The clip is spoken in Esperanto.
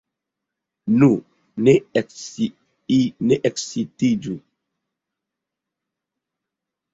Nu, ne ekscitiĝu!